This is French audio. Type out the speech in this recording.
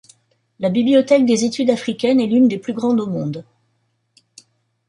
La bibliothèque des études africaines est l'une des plus grandes au monde.